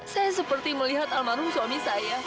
saya seperti melihat almarhum suami saya